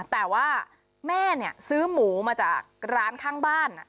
แต่ว่าแม่ซื้อหมูมาจากร้านข้างบ้าน